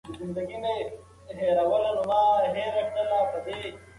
ده ته د تېرې شپې هغه تورې کړکۍ بیا ودرېدې.